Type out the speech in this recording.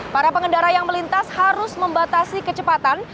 para pengendara yang melintas harus membatasi kecepatan